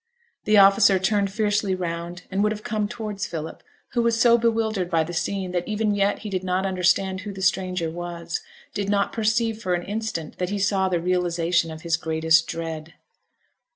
The officer turned fiercely round, and would have come towards Philip, who was so bewildered by the scene that even yet he did not understand who the stranger was, did not perceive for an instant that he saw the realization of his greatest dread.